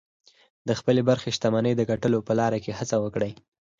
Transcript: د خپلې برخې شتمنۍ د ګټلو په لاره کې هڅه وکړئ